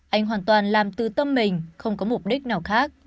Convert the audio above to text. anh hoàn toàn làm tứ tâm mình không có mục đích nào khác